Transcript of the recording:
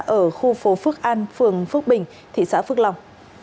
ở khu phố phước an phường phước bình thị xã phước long